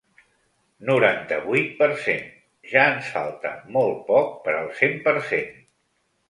Noranta-vuit per cent Ja ens falta molt poc per al cent per cent.